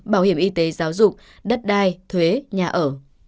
bảo hiểm y tế giáo dục đất đai thuế nhà ở